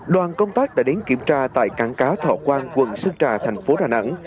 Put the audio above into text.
đoàn công tác đã đến kiểm tra tại cảng cá thọ quang quận sơn trà thành phố đà nẵng